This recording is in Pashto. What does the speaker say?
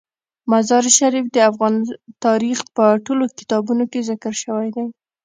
مزارشریف د افغان تاریخ په ټولو کتابونو کې ذکر شوی دی.